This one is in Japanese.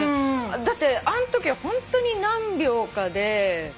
だってあのときはホントに何秒かでねっ。